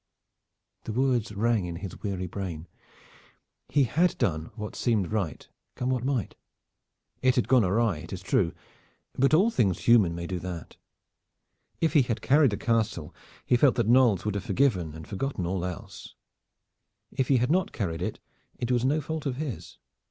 The words rang in his weary brain. He had done what seemed right, come what might. It had gone awry, it is true; but all things human may do that. If he had carried the castle, he felt that Knolles would have forgiven and forgotten all else. If he had not carried it, it was no fault of his.